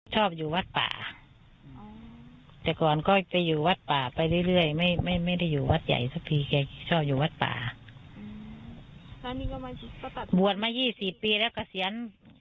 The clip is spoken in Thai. สะพีแกชอบอยู่วัดป่าอืมอันนี้ก็มันบวชมายี่สิบปีแล้วกระเสียร์